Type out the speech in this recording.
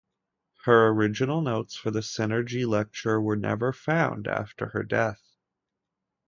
Her original notes for the synergy lecture were never found after her death.